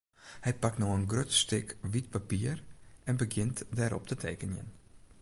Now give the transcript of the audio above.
Hy pakt no in grut stik wyt papier en begjint dêrop te tekenjen.